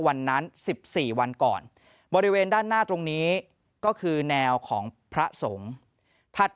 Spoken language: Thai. วันนั้น๑๔วันก่อนบริเวณด้านหน้าตรงนี้ก็คือแนวของพระสงฆ์